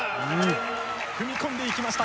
踏み込んでいきました。